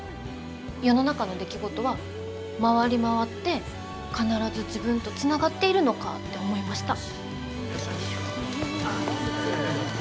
世の中の出来事は回り回って必ず自分とつながっているのかって思いました。